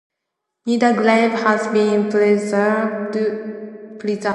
Neither grave has been preserved.